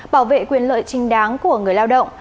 bảo vệ quyền lợi trinh đáng của người lao động